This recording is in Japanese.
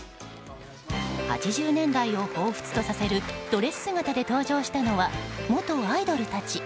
８０年代をほうふつとされるドレス姿で登場したのは元アイドルたち。